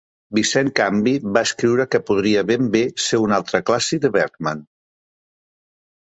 Vincent Canby va escriure que podria ben bé ser un altre clàssic de Bergman.